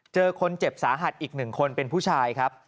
เจอคนเจ็บสาหัสอีก๑คนเป็นผู้ชายครับ